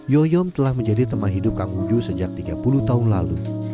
yoyom telah menjadi teman hidup kang uju sejak tiga puluh tahun lalu